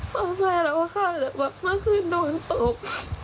พอแม้แล้วขาดแบบแม่คืนโดนตบ